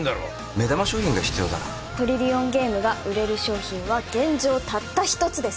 目玉商品が必要だなトリリオンゲームが売れる商品は現状たった一つです